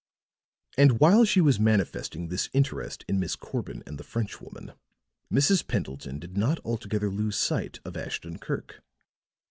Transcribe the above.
And while she was manifesting this interest in Miss Corbin and the French woman, Mrs. Pendleton did not altogether lose sight of Ashton Kirk.